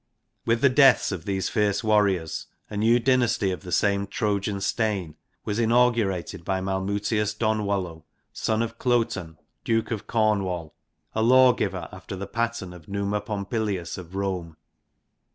With the deaths of these fierce v/arriors, a new dynasty of the same Trojan strain was inaugurated by Mal mutius Donwallow, son of Cloten, Duke of Cornwall, a lawgiver after the pattern of Numa Pompilius of Rome.